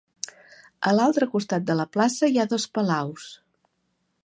A l'altre costat de la plaça hi ha dos palaus.